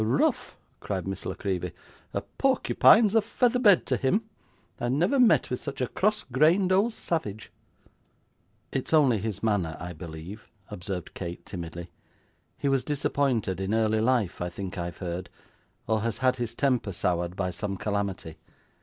'Rough!' cried Miss La Creevy, 'a porcupine's a featherbed to him! I never met with such a cross grained old savage.' 'It is only his manner, I believe,' observed Kate, timidly; 'he was disappointed in early life, I think I have heard, or has had his temper soured by some calamity.